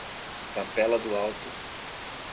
Capela do Alto